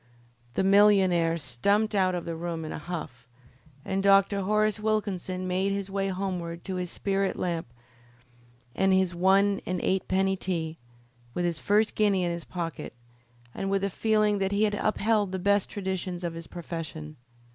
The millionaire stumped out of the room in a huff, and Dr. Horace Wilkinson made his way homeward to his spirit lamp and his one and eightpenny tea, with his first guinea in his pocket, and with a feeling that he had upheld the best traditions of his profession.